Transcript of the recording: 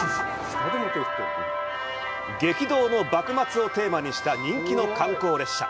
激動の幕末をテーマにした人気の観光列車。